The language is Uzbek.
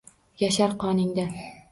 Yashar qoningda.